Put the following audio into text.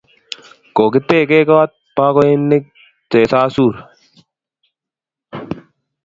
Kokitege kot bakoinik chesarur